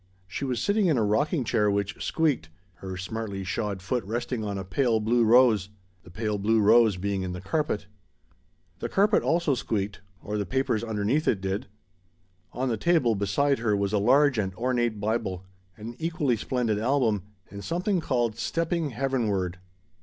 She was sitting in a rocking chair which "squeaked" her smartly shod foot resting on a pale blue rose the pale blue rose being in the carpet. The carpet also squeaked or the papers underneath it did. On the table beside her was a large and ornate Bible, an equally splendid album, and something called "Stepping Heavenward."